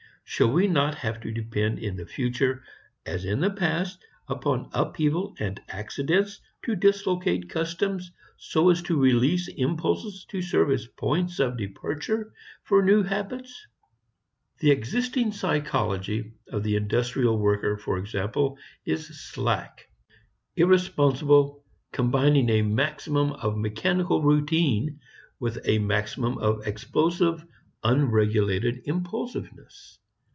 Shall we not have to depend in the future as in the past upon upheaval and accident to dislocate customs so as to release impulses to serve as points of departure for new habits? The existing psychology of the industrial worker for example is slack, irresponsible, combining a maximum of mechanical routine with a maximum of explosive, unregulated impulsiveness.